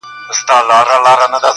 اول به کښېنوو د علم بې شماره وني,